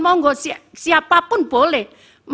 mau enggak siapapun boleh